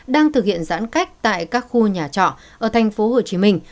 đang thực hiện giãn cách tại các khu nhà trọ ở thành phố hồ chí minh